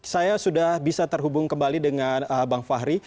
saya sudah bisa terhubung kembali dengan bang fahri